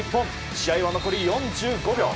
試合は残り４５秒。